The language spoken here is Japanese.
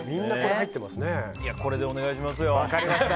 これでお願いします。